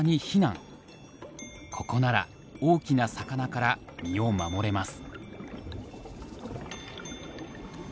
ここなら大きな魚から身を守れます。